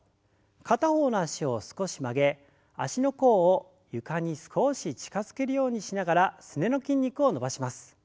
片方の脚を少し曲げ足の甲を床に少し近づけるようにしながらすねの筋肉を伸ばします。